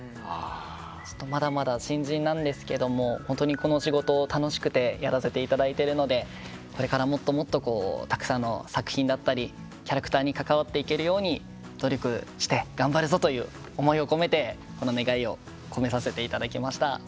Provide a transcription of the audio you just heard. まだまだ新人なんですけど本当に、この仕事楽しくてやらせていただいているのでこれから、もっともっとたくさんの作品だったりキャラクターに関わっていけるように努力して頑張るぞという思いを込めてこの願いを込めさせていただきました。